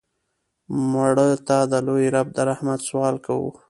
مړه ته د لوی رب د رحمت سوال کوو